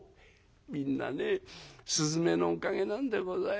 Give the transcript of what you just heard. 「みんなね雀のおかげなんでございますよ。